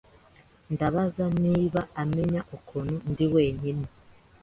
Ndabaza niba amenya ukuntu ndi wenyine.